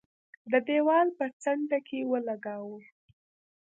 د دېوال په څنډه کې ولګاوه.